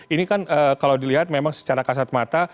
ini kan kalau dilihat memang secara kasat mata